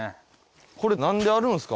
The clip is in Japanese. これなんであるんですか？